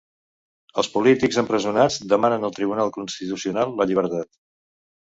Els polítics empresonats demanen al Tribunal Constitucional la llibertat